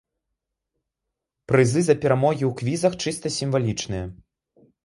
Прызы за перамогі ў квізах чыста сімвалічныя.